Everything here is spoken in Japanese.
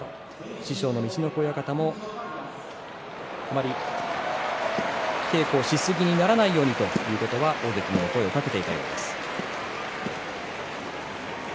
師匠の陸奥親方もあまり稽古しすぎにならないようにということは大関に声をかけていたようです。